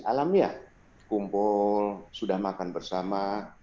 alamiah kumpul sudah makan bersama